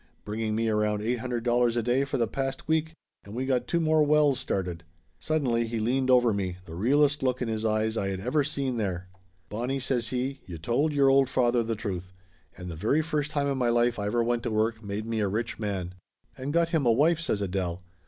"Bringing me around eight hundred dollars a day for the past week. And we got two more wells started." Suddenly he leaned over me, the realest look in his eyes I had ever seen there. "Bonnie," says he, "you told your old father the Laughter Limited 341 truth. And the very first time in my life I ever went to work made me a rich man.". "And got him a wife !" says Adele.